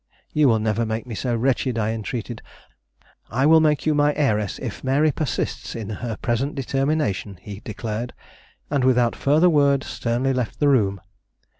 'You will never make me so wretched!' I entreated. 'I will make you my heiress, if Mary persists in her present determination,' he declared, and without further word sternly left the room.